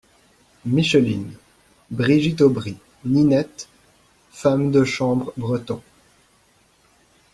MICHELINE — Brigitte Aubry NINETTE, femme de chambre Breton.